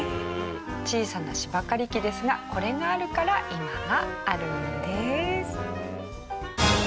小さな芝刈り機ですがこれがあるから今があるんです。